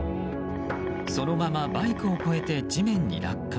そのままバイクを越えて地面に落下。